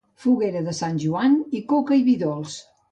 Foguera de Sant Joan i coca i vi dolç.